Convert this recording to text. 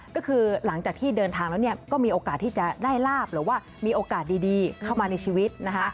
ก็คือหลังจากที่เดินทางแล้วก็มีโอกาสที่จะได้ลาบหรือว่ามีโอกาสดีเข้ามาในชีวิตนะคะ